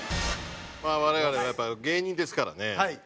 まあ我々はやっぱ芸人ですからね。